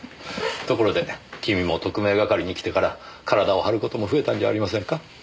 ところで君も特命係に来てから体を張る事も増えたんじゃありませんか？